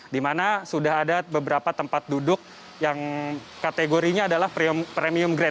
di mana sudah ada beberapa tempat duduk yang kategorinya adalah premium grandstand yaitu tempat duduk dengan atap